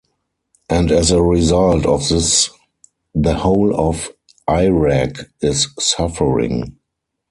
And as a result of this the whole of Iraq is suffering.